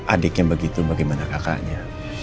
adiknya begitu bagaimana kakaknya